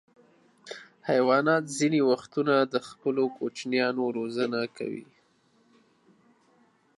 حیوانات ځینې وختونه د خپلو کوچنیانو روزنه کوي.